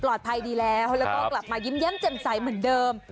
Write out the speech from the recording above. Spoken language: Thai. ปลอดภัยดีแล้วแล้วก็กลับมายิ้มแย้มเจ็บใสเหมือนเดิม